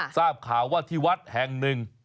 ทราบข่าวว่าที่วัดแห่งหนึ่ง